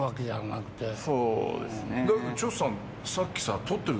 そうですね。